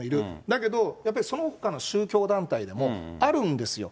だけど、やっぱりそのほかの宗教団体でもあるんですよ。